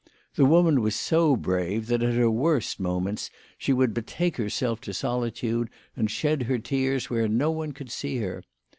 The woman was so brave that at her worst moments she would betake herself to solitude and shed her tears where no one could see her.